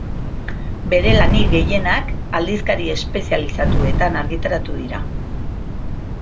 Bere lanik gehienak aldizkari espezializatuetan argitaratu dira.